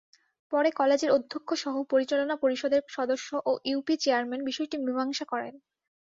পরে কলেজের অধ্যক্ষসহ পরিচালনা পরিষদের সদস্য ও ইউপি চেয়ারম্যান বিষয়টি মীমাংসা করেন।